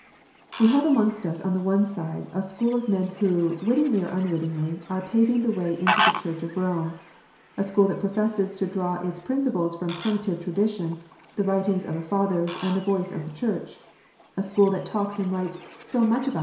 We have amongst us, on the one side, a school of men who, wittingly or unwittingly, are paving the way into the Church of Rome, a school that professes to draw its principles from primitive tradition, the writings of the Fathers, and the voice of the Church, a school that talks and writes so much about 332 KNOTS UNTIED.